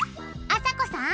あさこさん！